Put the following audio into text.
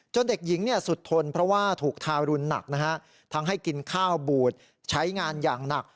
เด็กหญิงสุดทนเพราะว่าถูกทารุณหนักนะฮะทั้งให้กินข้าวบูดใช้งานอย่างหนัก